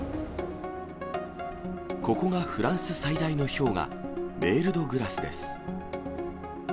ここがフランス最大の氷河、メールドグラスです。